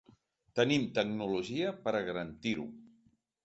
Tenim tecnologia per a garantir-ho.